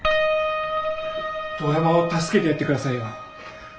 遠山を助けてやって下さいよ。